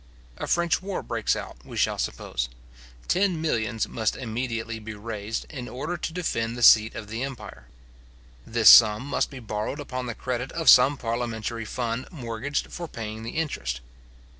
A French war breaks out, we shall suppose; ten millions must immediately be raised, in order to defend the seat of the empire. This sum must be borrowed upon the credit of some parliamentary fund mortgaged for paying the interest.